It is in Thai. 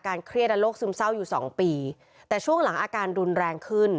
ว่าเขามีดปอกผลไม้แทงยาจริง